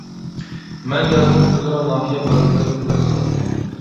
مەن يازنىڭ كۈنلىرى ناھىيە بازىرىدا كۆكتات ساتاتتىم.